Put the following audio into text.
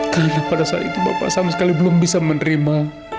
karena pada saat itu bapak sama sekali belum bisa menerima